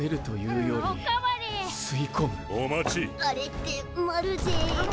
あれってまるで。